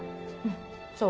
そう？